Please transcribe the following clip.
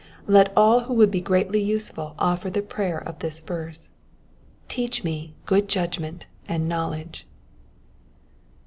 Let all who would be greatly useful offer the prayer of this verse :'* Teach me good judgment and knowledge."